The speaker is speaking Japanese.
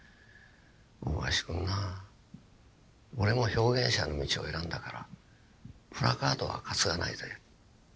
「大林君な俺も表現者の道を選んだからプラカードは担がないぜ。